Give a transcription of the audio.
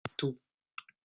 Tout.